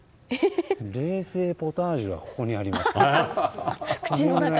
冷製ポタージュがここにあります。